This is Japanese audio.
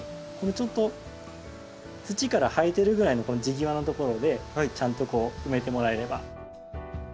ちょっと土から生えてるぐらいの地際のところでちゃんとこう埋めてもらえれば。